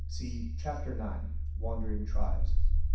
(See Chapter IX." Wandering Tribes").